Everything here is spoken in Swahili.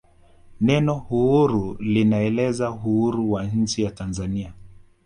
neno uhuru linaeleza uhuru wa nchi ya tanzania